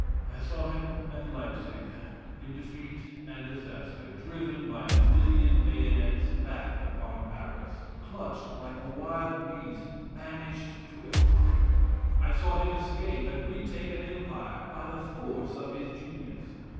I saw him at Leipzig in defeat and disaster driven by a million bayonets back upon Paris clutched like a wild beast banished to Elba. I saw him escape and retake an empire by the force of his genius.